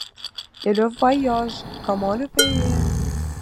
Et le voyage ! comment le payer ?